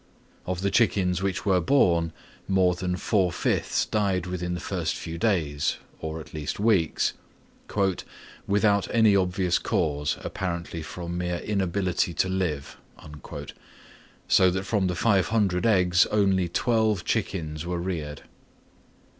Of the chickens which were born, more than four fifths died within the first few days, or at latest weeks, "without any obvious cause, apparently from mere inability to live;" so that from the 500 eggs only twelve chickens were reared.